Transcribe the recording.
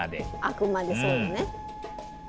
あくまでそうだね。